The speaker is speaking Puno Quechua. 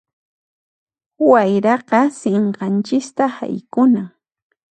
Wayraqa sinqanchista haykunan.